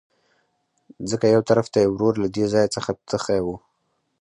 ځکه يوطرف ته يې ورور له دې ځاى څخه تښى وو.